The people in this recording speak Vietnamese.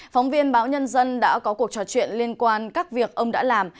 phóng viên báo nhân dân đã có cuộc trò chuyện liên quan các việc ông đã làm